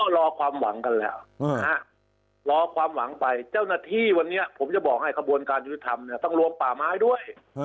รอความหวังกันแล้วรอความหวังไปเจ้าหน้าที่วันนี้ผมจะบอกให้กระบวนการยุทธธรรมต้องรวมป่าไม้ด้วย